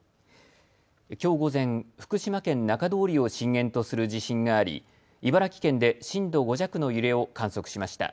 きょう午前、福島県中通りを震源とする地震があり茨城県で震度５弱の揺れを観測しました。